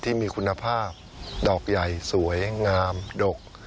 ที่มีคุณภาพดอกใหญ่สวยงามดก